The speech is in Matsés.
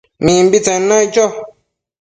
Mimbitsen naic cho